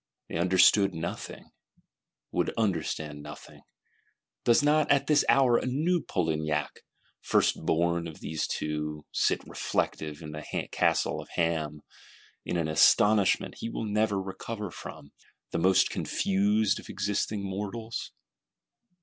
They understood nothing; would understand nothing. Does not, at this hour, a new Polignac, first born of these Two, sit reflective in the Castle of Ham; in an astonishment he will never recover from; the most confused of existing mortals?